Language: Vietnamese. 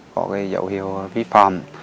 có dấu hiệu vi phạm